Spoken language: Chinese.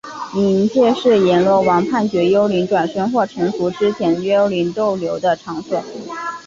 冥界是阎罗王判决幽灵转生或成佛之前幽灵逗留的场所。